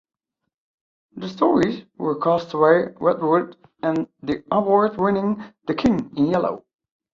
The stories were "Castaways", "Red Wood", and the award-winning "The King, in: Yellow".